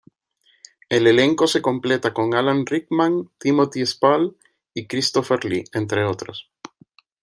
El elenco se completa con Alan Rickman, Timothy Spall y Christopher Lee, entre otros.